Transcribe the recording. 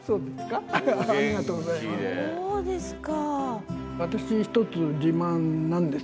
そうですか。